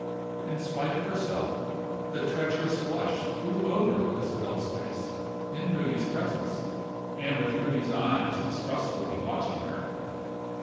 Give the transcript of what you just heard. In spite of herself, the treacherous blush flew over Isabel's face, in Moody's presence, and with Moody's eyes distrustfully watching her.